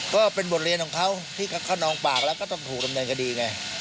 ก็เป็นบทเรียนของเขาที่เขานองปากแล้วก็ต้องถูกดำเนินคดีไง